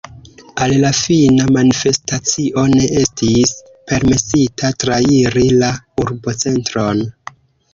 Al la fina manifestacio ne estis permesita trairi la urbocentron.